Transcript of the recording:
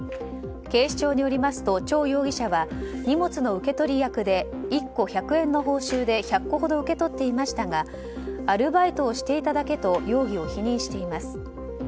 警視庁によりますとチョウ容疑者は荷物の受け取り役で１個１００円の報酬で１００個ほど受け取っていましたがアルバイトをしていただけと容疑を否認しています。